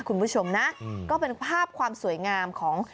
คุณผู้ชมนะก็เป็นภาพความสวยงามของ